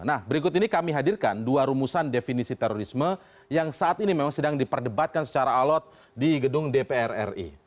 nah berikut ini kami hadirkan dua rumusan definisi terorisme yang saat ini memang sedang diperdebatkan secara alot di gedung dpr ri